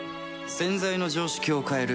洗剤の常識を変える